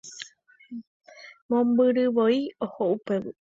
Mombyryvoi oho upégui.